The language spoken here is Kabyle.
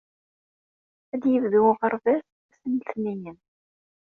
Ad yebdu uɣerbaz ass n letniyen.